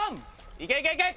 いけいけいけ！